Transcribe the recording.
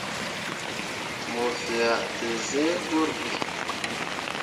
Mo fea te zẽẽ gurɓe.